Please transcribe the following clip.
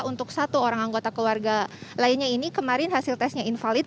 untuk satu orang anggota keluarga lainnya ini kemarin hasil tesnya invalid